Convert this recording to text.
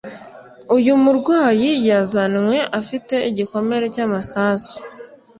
Uyu murwayi yazanwe afite igikomere cy'amasasu.